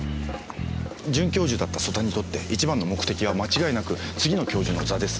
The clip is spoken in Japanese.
准教授だった曽田にとって一番の目的は間違いなく次の教授の座です。